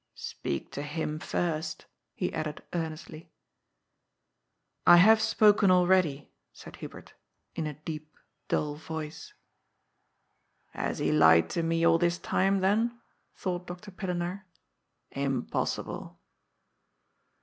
" Speak to him first," he added earnestly. " I have spoken already," said Hubert, in a deep, dull voice. ALAS, POOR HUBERT! 381 "Has he lied to me all this time, then?" thought Dr. Pillenaar. " Impossible."